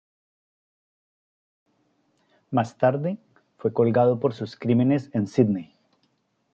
Más tarde fue colgado por sus crímenes en Sídney.